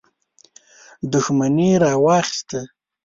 دښمني راواخیسته.